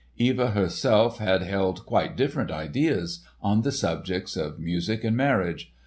Eva herself had held quite different ideas on the subjects of music and marriage.